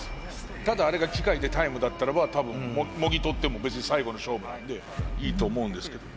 ただあれが機械でタイムだったらば多分もぎ取っても別に最後の勝負なんでいいと思うんですけど。